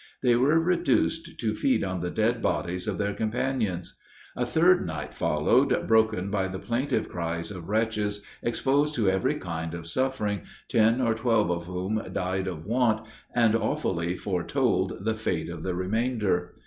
They were reduced to feed on the dead bodies of their companions. A third night followed, broken by the plaintive cries of wretches, exposed to every kind of suffering, ten or twelve of whom died of want, and awfully foretold the fate of the remainder.